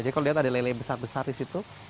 jadi kalau lihat ada lele besar besar di situ